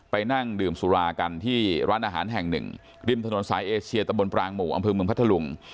นั่งดื่มสุรากันที่ร้านอาหารแห่งหนึ่งริมถนนสายเอเชียตะบนปรางหมู่อำเภอเมืองพัทธลุง